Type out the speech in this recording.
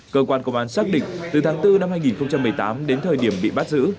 cơ quan công an xác định từ tháng bốn năm hai nghìn một mươi tám đến thời điểm bị bắt giữ